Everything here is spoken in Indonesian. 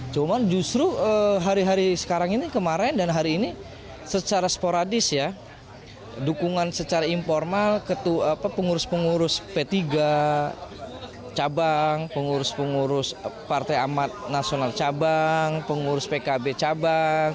cuman justru hari hari sekarang ini kemarin dan hari ini secara sporadis ya dukungan secara informal pengurus pengurus p tiga cabang pengurus pengurus partai amat nasional cabang pengurus pkb cabang